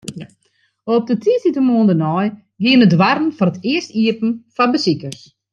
Op de tiisdeitemoarn dêrnei giene de doarren foar it earst iepen foar besikers.